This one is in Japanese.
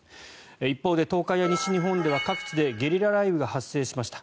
一方で、東海や西日本では各地でゲリラ雷雨が発生しました。